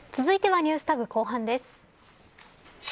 続いてはＮｅｗｓＴａｇ後半です。